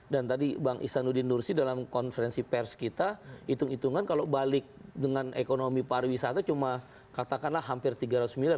dan tadi bang isanudin nursi dalam konferensi pers kita hitung hitungan kalau balik dengan ekonomi pariwisata cuma katakanlah hampir tiga ratus miliar